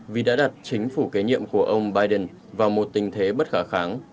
vì đã đặt chính phủ kế nhiệm của ông biden vào một tình thế bất khả kháng